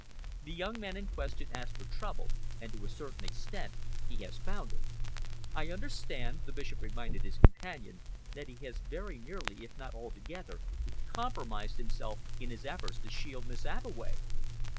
The young man in question asked for trouble, and to a certain extent he has found it." "I understand," the Bishop reminded his companion, "that he has very nearly, if not altogether, compromised himself in his efforts to shield Miss Abbeway."